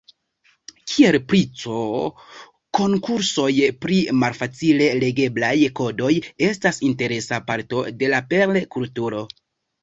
Kiel pri C, konkursoj pri malfacile legeblaj kodoj estas interesa parto de la Perl-kulturo.